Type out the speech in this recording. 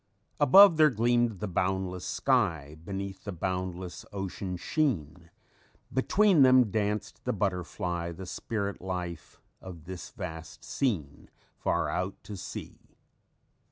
_ "_Above, there gleamed the boundless sky; Beneath, the boundless ocean sheen; Between them danced the butterfly, The spirit life of this vast scene, Far out at sea.